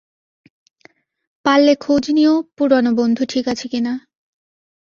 পারলে খোঁজ নিয়ো পুরানো বন্ধু ঠিক আছে কিনা।